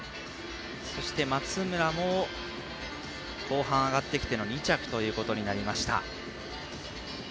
そして松村も後半上がってきての２着ということになりました。